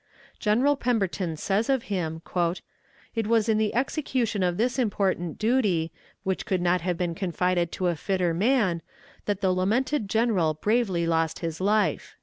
General Pemberton says of him: "It was in the execution of this important duty, which could not have been confided to a fitter man, that the lamented General bravely lost his life."